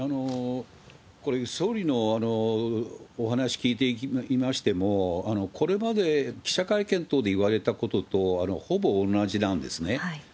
これ、総理のお話聞いていましても、これまで記者会見等で言われたこととほぼ同じなんですね。